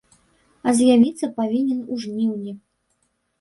А з'явіцца павінен у жніўні.